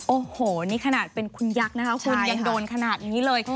โอ้โหนี่ขนาดเป็นคุณยักษ์นะคะคุณยังโดนขนาดนี้เลย